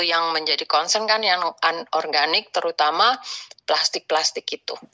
yang menjadi concern kan yang anorganik terutama plastik plastik itu